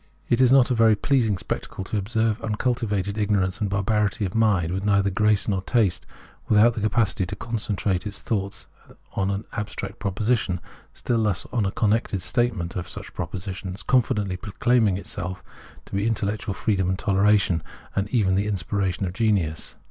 It is not a very pleasing spectacle to observe uncultivated ignorance and barbarity of mind, with neither grace nor taste, without the capacity to concentrate its thoughts on an abstract proposition, still less on a connected state ment of such propositions, confidently proclaiming itself to be intellectual freedom and toleration, and even the inspiration of genius.